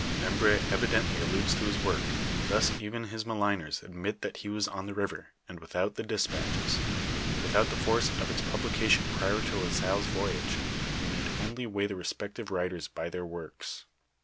Membr6 evidently alludes to liis work (p. 269). Thus even his maligners admit that he was on the river, and without the despatches, without the force of its pub lication prior to La Salle's voyage, we need only weigh the respective writers by their works.